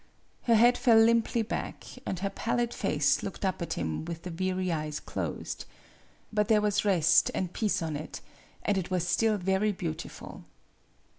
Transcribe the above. Her head fell limply back, and her pallid face looked up at him with the weary eyes closed. But there was rest and peace on it, and it was still very beautiful.